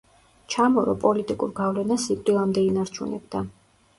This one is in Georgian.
ჩამორო პოლიტიკურ გავლენას სიკვდილამდე ინარჩუნებდა.